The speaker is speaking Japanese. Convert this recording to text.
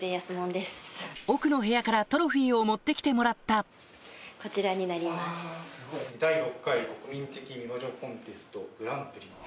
奥の部屋からトロフィーを持って来てもらったあすごい。